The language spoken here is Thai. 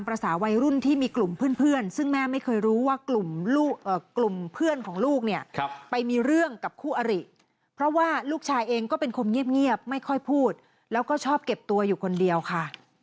ภาษาวัยรุ่นที่มีกลุ่มเพื่อนซึ่งแม่ไม่เคยรู้ว่ากลุ่มเพื่อนของลูกเนี่ยไปมีเรื่องกับคู่อริเพราะว่าลูกชายเองก็เป็นคนเงียบไม่ค่อยพูดแล้วก็ชอบเก็บตัวอยู่คนเดียวค่ะ